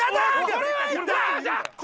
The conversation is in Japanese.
これはいった！